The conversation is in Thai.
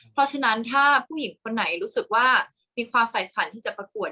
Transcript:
เพราะฉะนั้นถ้าผู้หญิงคนไหนรู้สึกว่ามีความฝ่ายฝันที่จะประกวด